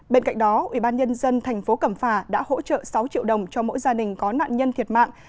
bên cạnh đó ubnd tp cẩm phà đã hỗ trợ sáu triệu đồng cho mỗi gia đình có nạn nhân thiệt mạng